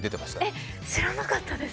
えっ、知らなかったです。